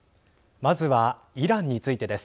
まずはイランについてです。